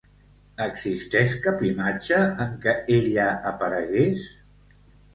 Existeix cap imatge en què ella aparegués?